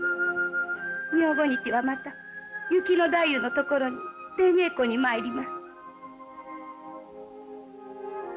明後日はまた雪野太夫のところに出稽古に参ります。